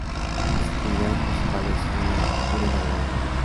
Las actividades principales son la agricultura y la ganadería.